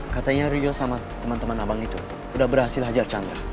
katanya rio sama teman teman abang itu udah berhasil hajar chandra